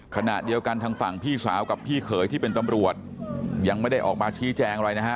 ขณะเดียวกันทางฝั่งพี่สาวกับพี่เขยที่เป็นตำรวจยังไม่ได้ออกมาชี้แจงอะไรนะฮะ